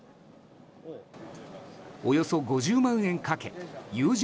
およそ５０万円かけ友人